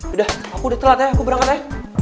udah aku udah telat ya aku berangkat ya